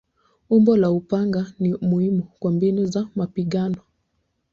Umbo la upanga ni muhimu kwa mbinu za mapigano.